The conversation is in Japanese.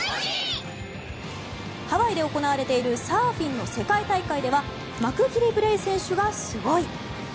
ハワイで行われているサーフィンの世界大会ではマクギリブレイ選手がすごい。